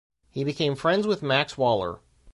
He became friends with Max Waller.